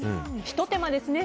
ひと手間ですね。